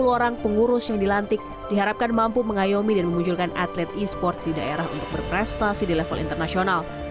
sepuluh orang pengurus yang dilantik diharapkan mampu mengayomi dan memunculkan atlet e sports di daerah untuk berprestasi di level internasional